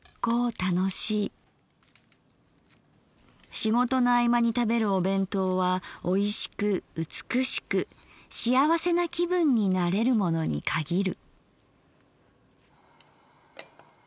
仕事の合間に食べるお弁当は美味しく美しくしあわせな気分になれるものに限る」。